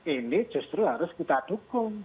ini justru harus kita dukung